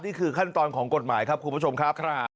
นี่คือขั้นตอนของกฎหมายครับคุณผู้ชมครับ